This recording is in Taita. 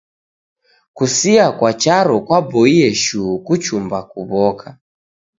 Kusia kwa charo kwaboie shuu kuchumba kuw'oka.